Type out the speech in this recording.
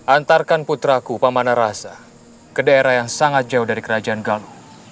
antarkan putraku pamanarasa ke daerah yang sangat jauh dari kerajaan galung